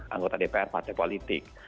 anggota dpr partai politik